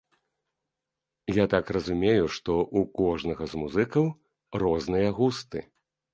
Я так разумею, што ў кожнага з музыкаў розныя густы.